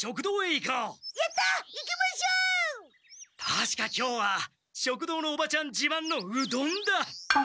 たしか今日は食堂のおばちゃんじまんのうどんだ！